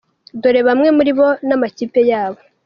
Dore bamwe muri bo n’amakipe yabo :.